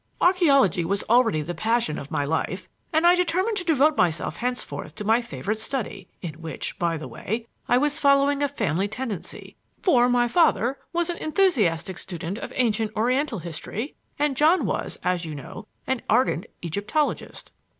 Archeology was already the passion of my life, and I determined to devote myself henceforth to my favorite study, in which, by the way, I was following a family tendency; for my father was an enthusiastic student of ancient Oriental history, and John was, as you know, an ardent Egyptologist.